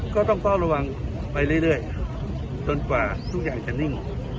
ก็ต้องเฝ้าระวังไปเรื่อยจนกว่าทุกอย่างจะนิ่ง